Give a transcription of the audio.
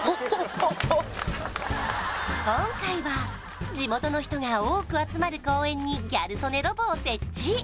今回は地元の人が多く集まる公園にギャル曽根ロボを設置